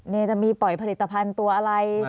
นี่จะมีปล่อยผลิตภัณฑ์ตัวอะไร